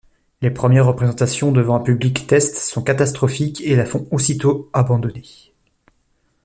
Les premières représentations devant un public test sont catastrophiques et la font aussitôt abandonner.